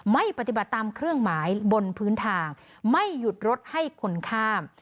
ไม่ปฏิบัติตามเครื่องหมายบนพื้นทางไม่หยุดรถให้คนข้าม